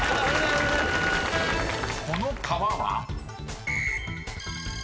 ［この川は？］